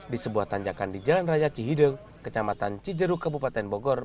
di sebuah tanjakan di jalan raya cihideng kecamatan cijeruk kabupaten bogor